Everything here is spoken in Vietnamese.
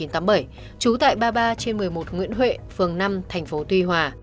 trú tại ba mươi ba trên một mươi một nguyễn huệ phường năm tp tuy hòa